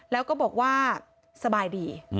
แล้วก็บอกว่าสบายดี